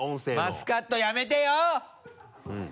マスカットやめてよ！